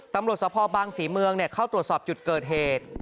ตำรวจสภบางศรีเมืองเข้าตรวจสอบจุดเกิดเหตุ